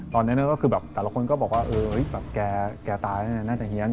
ตอนนั้นก็คือแบบแต่ละคนก็บอกว่าแกตายแล้วน่าจะเฮียน